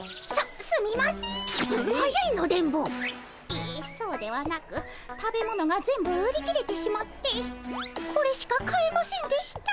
ええそうではなく食べ物が全部売り切れてしまってこれしか買えませんでした。